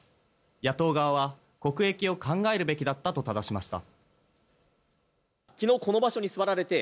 野党側は国益を考えるべきだったとただしました。